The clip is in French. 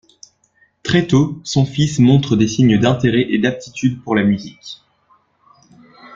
Très tôt, son fils montre des signes d'intérêt et d'aptitude pour la musique.